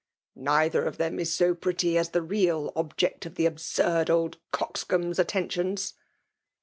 Neither of them is so pretty as tKe real <)bjectof the absurd oldcoxbombs attentiohs."